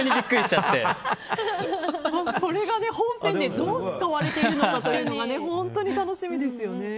これが本編でどう使われているのかが本当に楽しみですね。